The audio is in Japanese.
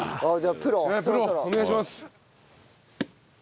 プロお願いします。